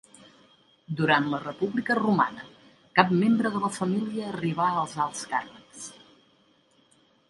Durant la república romana cap membre de la família arribà als alts càrrecs.